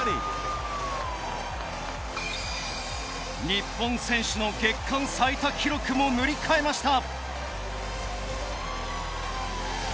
日本選手の月間最多記録も塗り替えました。